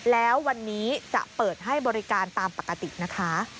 แล้ววันนี้จะเปิดให้บริการตามปกตินะคะ